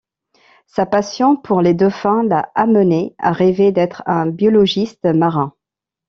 Sa passion pour les dauphins l'a amenée à rêver d'être un biologiste marin.